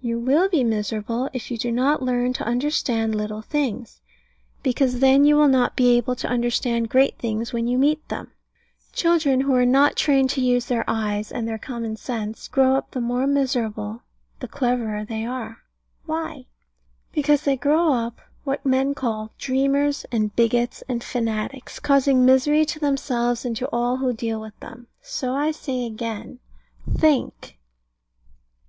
You will be miserable if you do not learn to understand little things: because then you will not be able to understand great things when you meet them. Children who are not trained to use their eyes and their common sense grow up the more miserable the cleverer they are. Why? Because they grow up what men call dreamers, and bigots, and fanatics, causing misery to themselves and to all who deal with them. So I say again, think.